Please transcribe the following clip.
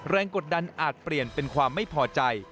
กดดันอาจเปลี่ยนเป็นความไม่พอใจ